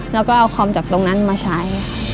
แล้วก็เอาคอมจากตรงนั้นมาใช้